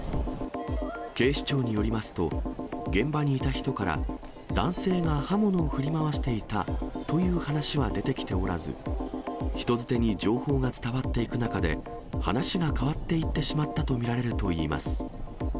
警視庁によりますと、現場にいた人から、男性が刃物を振り回していたという話は出てきておらず、人づてに情報が伝わっていく中で、話が変わっていってしまったと見られるといいます。